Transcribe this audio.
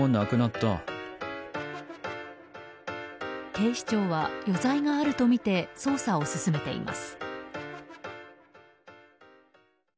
警視庁は余罪があるとみて捜査を進めています。